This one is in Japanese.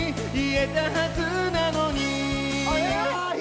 え！？